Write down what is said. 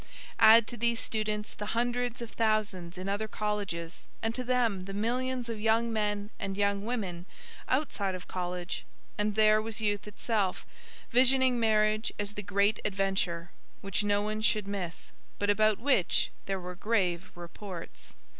Add to these students the hundreds of thousands in other colleges and to them the millions of young men and young women outside of college and there was Youth itself, visioning marriage as the Great Adventure, which no one should miss, but about which there were grave reports.